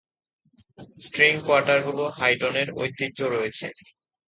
String কোয়াটারগুলো হাইডনের ঐতিহ্যে রয়েছে।